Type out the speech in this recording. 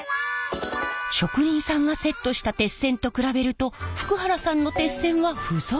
職人さんがセットした鉄線と比べると福原さんの鉄線は不ぞろい。